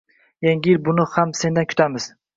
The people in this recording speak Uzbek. Yangi yil, buni ham sendan kutamiz